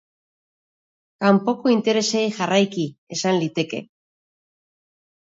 Kanpoko interesei jarraiki, esan liteke.